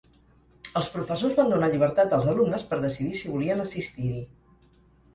Els professors van donar llibertat als alumnes per decidir si volien assistir-hi.